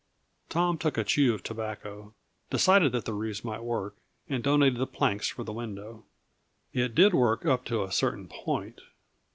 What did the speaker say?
Tom took a chew of tobacco, decided that the ruse might work, and donated the planks for the window. It did work, up to a certain point.